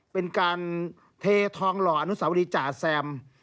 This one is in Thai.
เป็นการเททองหล่ออนุสาวรีจ่าแซม